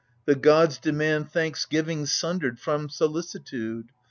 The gods demand Thanksgiving sundered from solicitude.